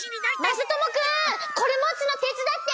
・まさともくん！これもつのてつだって！